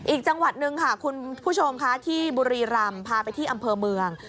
อีกจังหวัดหนึ่งค่ะคุณผู้ชมค่ะที่บุรีรำพาไปที่อำเภอเมือง